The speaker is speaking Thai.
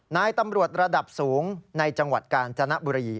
นายตำรวจระดับสูงในจังหวัดกาญจนบุรี